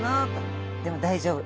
でも大丈夫。